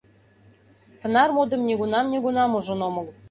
— Тынар модым нигунам-нигунам ужын омыл.